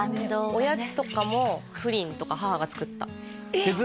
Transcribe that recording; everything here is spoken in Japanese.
おやつとかもプリンとか母が作ったえっ！？